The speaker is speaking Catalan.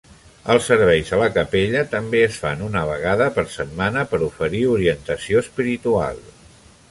Els serveis a la capella també es fan una vegada per setmana per oferir orientació espiritual.